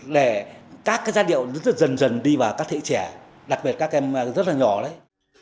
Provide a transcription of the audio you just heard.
để các giai điệu dần dần đi vào các hệ trẻ đặc biệt các em rất là nhỏ đấy